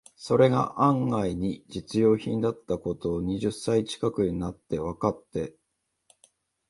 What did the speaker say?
それが案外に実用品だった事を、二十歳ちかくになってわかって、